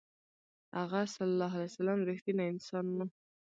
هغه ﷺ رښتینی انسان و.